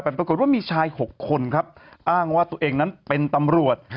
แต่ปรากฏว่ามีชาย๖คนครับอ้างว่าตัวเองนั้นเป็นตำรวจ